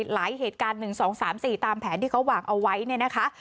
หลายเหตุการณ์๑๒๓๔ตามแผนที่เขาวางเอาไว้เนี่ยนะคะ